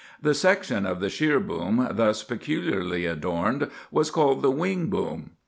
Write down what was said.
The section of the sheer boom thus peculiarly adorned was called the wing boom.